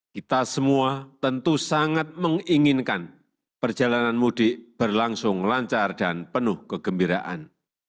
kita semua tentu sangat menginginkan perjalanan mudik berlangsung lancar dan penuh kegembiraan